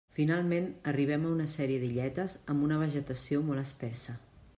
Finalment, arribem a una sèrie d'illetes amb una vegetació molt espessa.